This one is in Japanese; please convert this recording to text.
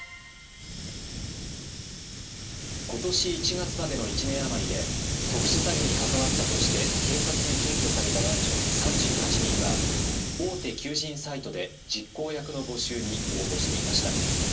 ことし１月までの１年余りで、特殊詐欺に関わったとして警察に検挙された男女３８人は、大手求人サイトで実行役の募集に応募していました。